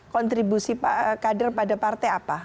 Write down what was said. kontribusi kader pada partai apa